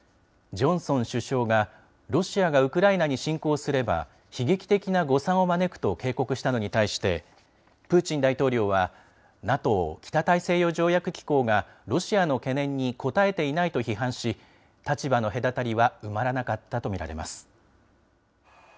ジョンソン首相がロシアがウクライナに侵攻すれば、悲劇的な誤算を招くと警告したのに対して、プーチン大統領は、ＮＡＴＯ・北大西洋条約機構がロシアの懸念に応えていないと批判し、立場の隔たりは埋まらなかったと見られます。